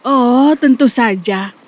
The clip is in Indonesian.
oh tentu saja